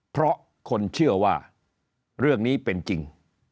เพราะคนเชื่อว่าเรื่องนี้เป็นจริง